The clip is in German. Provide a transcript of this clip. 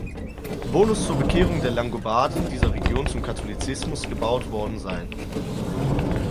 Bonus zur Bekehrung der Langobarden dieser Region zum Katholizismus gebaut worden sein.